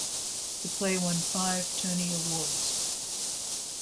The play won five Tony Awards.